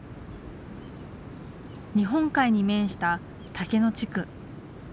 日本海に面した竹野地区。